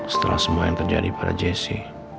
setelah semua yang terjadi pada jc